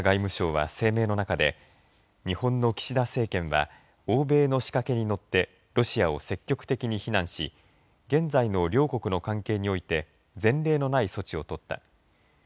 ロシア外務省は声明の中で日本の岸田政権は欧米の仕掛けに乗ってロシアを積極的に非難し現在の両国の関係において前例のない措置を取った。